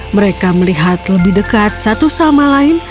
mereka melihat lebih dekat satu sama lain